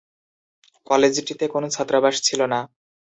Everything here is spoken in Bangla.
কলেজটিতে কোনো ছাত্রাবাস ছিল না।